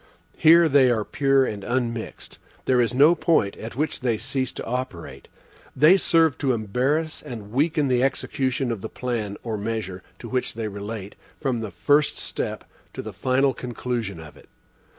Here, they are pure and unmixed. There is no point at which they cease to operate. They serve to embarrass and weaken the execution of the plan or measure to which they relate, from the first step to the final conclusion of it.